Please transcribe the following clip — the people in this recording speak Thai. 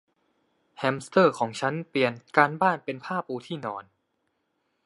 แฮมสเตอร์ของฉันเปลี่ยนการบ้านเป็นผ้าปูที่นอน